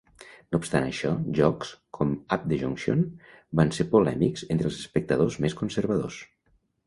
No obstant això, jocs com "Up the Junction" van ser polèmics entre els espectadors més conservadors.